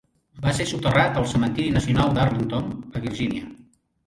Va ser soterrat al cementiri nacional d'Arlington, a Virgínia.